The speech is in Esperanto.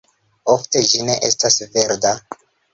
Ofte ĝi ne estas verda.